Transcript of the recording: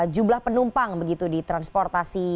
jumlah penumpang begitu di transportasi